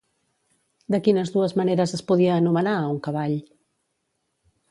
De quines dues maneres es podia anomenar a un cavall?